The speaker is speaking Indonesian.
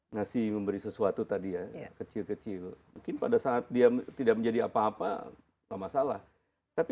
ngasih memberi sesuatu tadi ya kecil kecil mungkin pada saat dia tidak menjadi apa apa masalah tapi